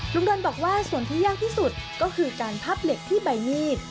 ดนบอกว่าส่วนที่ยากที่สุดก็คือการพับเหล็กที่ใบมีด